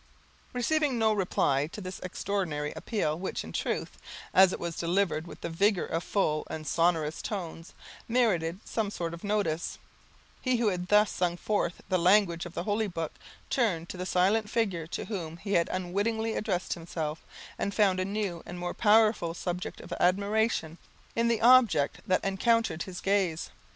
Receiving no reply to this extraordinary appeal, which in truth, as it was delivered with the vigor of full and sonorous tones, merited some sort of notice, he who had thus sung forth the language of the holy book turned to the silent figure to whom he had unwittingly addressed himself, and found a new and more powerful subject of admiration in the object that encountered his gaze.